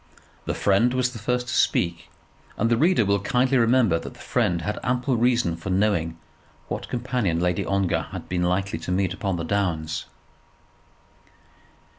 The friend was the first to speak; and the reader will kindly remember that the friend had ample reason for knowing what companion Lady Ongar had been likely to meet upon the downs.